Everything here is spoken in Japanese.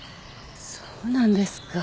そうなんですか。